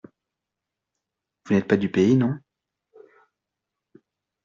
Vous n'êtes pas du pays ? Non.